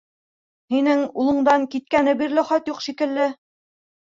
— Һинең улыңдан киткәне бирле хат юҡ шикелле?